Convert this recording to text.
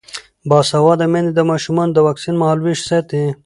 باسواده میندې د ماشومانو د واکسین مهالویش ساتي.